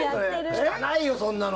汚いの、そんなの。